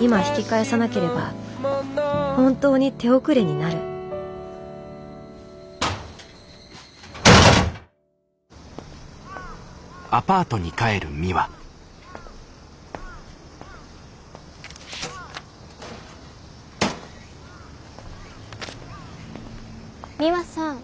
今引き返さなければ本当に手遅れになるミワさん。